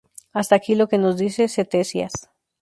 Hasta aquí lo que nos dice Ctesias.